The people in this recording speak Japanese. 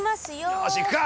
よし行くか！